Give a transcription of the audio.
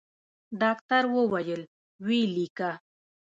ډاکتر وويل ويې ليکه.